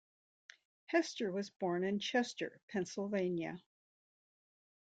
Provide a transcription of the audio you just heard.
Hester was born in Chester, Pennsylvania.